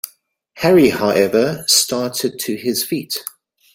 Harry, however, started to his feet.